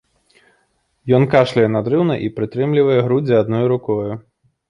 Ён кашляе надрыўна і прытрымлівае грудзі адною рукою.